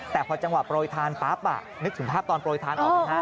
แต่พอจังหวะโปรยทานปั๊บนึกถึงภาพตอนโปรยทานออกไหมฮะ